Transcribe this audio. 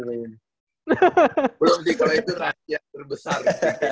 belum sih kalau itu rakyat terbesar